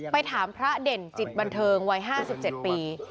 ไปถามพระเด่นจิตบันเทิงวัย๕๗ปี